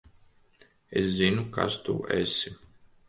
Es zinu, kas tu esi.